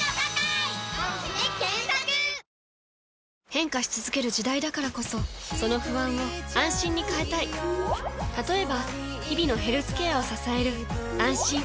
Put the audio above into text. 変化し続ける時代だからこそその不安を「あんしん」に変えたい例えば日々のヘルスケアを支える「あんしん」